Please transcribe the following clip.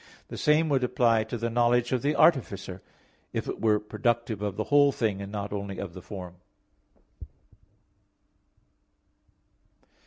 The same would apply to the knowledge of the artificer, if it were productive of the whole thing, and not only of the form.